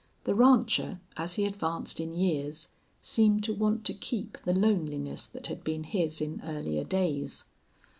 The rancher, as he advanced in years, seemed to want to keep the loneliness that had been his in earlier days.